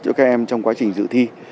cho các em trong quá trình dự thi